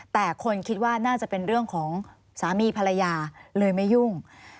แต่คนคิดว่าน่าจะเป็นเรื่องของสามีภรรยาเลยไม่ยุ่ง